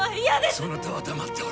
そなたは黙っておれ。